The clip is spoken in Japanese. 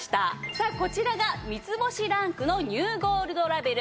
さあこちらが３つ星ランクのニューゴールドラベル。